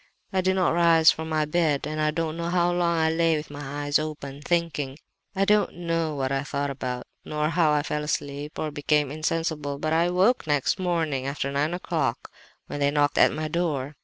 "I did not rise from my bed, and I don't know how long I lay with my eyes open, thinking. I don't know what I thought about, nor how I fell asleep or became insensible; but I awoke next morning after nine o'clock when they knocked at my door.